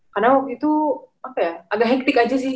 karena waktu itu agak hektik aja sih